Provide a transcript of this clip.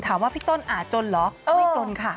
ถามว่าพี่ต้นอาจจนเหรอไม่จนค่ะ